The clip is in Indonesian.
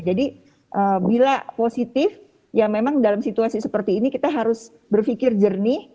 jadi bila positif ya memang dalam situasi seperti ini kita harus berpikir jernih